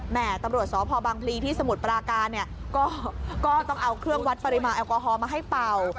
แหม่ตำรวจสพพลีที่สมุทรปราการก็ต้องเอาเครื่องวัดปริมาฮัลแอลกอฮอล์มาให้เป่า